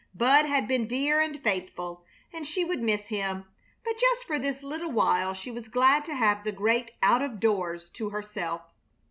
Bud had been dear and faithful, and she would miss him, but just for this little while she was glad to have the great out of doors to herself.